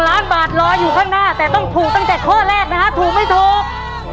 ล้านบาทรออยู่ข้างหน้าแต่ต้องถูกตั้งแต่ข้อแรกนะฮะถูกไม่ถูก